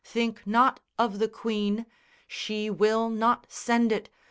Think not of the Queen! She will not send it!